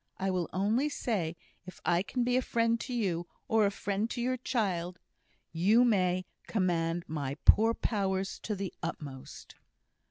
I will only say, if I can be a friend to you, or a friend to your child, you may command my poor powers to the utmost."